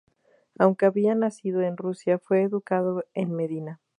Aunque había nacido en Rusia, fue educado en Medina.